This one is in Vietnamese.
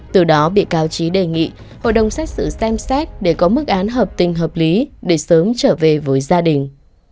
từ đó bị cáo trí đề nghị hội đồng xét xử xem xét để có mức án hợp tình hợp lý để sớm trở về với gia đình